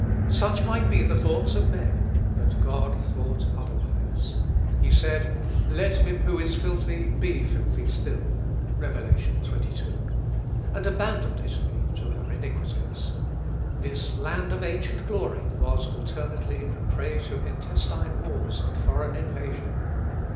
Such might be the thoughts of men, but God thought otherwise. He said, "Let him who is filthy, be filthy still," (Rev., xxii,) and abandoned Italy to her iniquities. This land of ancient glory was alternately a prey to intestine wars and foreign invasion.